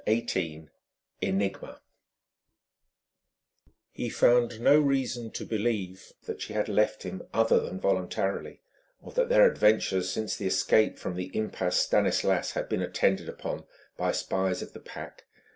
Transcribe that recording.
XVIII ENIGMA He found no reason to believe she had left him other than voluntarily, or that their adventures since the escape from the impasse Stanislas had been attended upon by spies of the Pack.